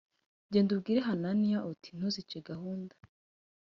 genda ubwire hananiya uti ntuzice gahunda